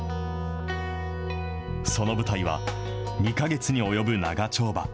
その舞台は、２か月に及ぶ長丁場。